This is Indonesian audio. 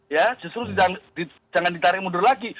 ya justru jangan ditarik mundur lagi